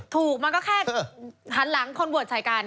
ถูกมันก็แค่หันหลังคนบวชสายการ